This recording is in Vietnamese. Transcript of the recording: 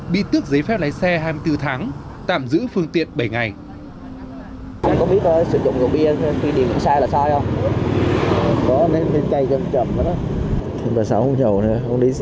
bị tước giấy phép lái xe hai mươi bốn tháng tạm giữ phương tiện bảy ngày